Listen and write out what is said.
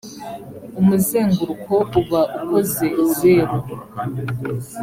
umuzenguruko uba ukoze zero.